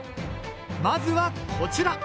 まずはこちら！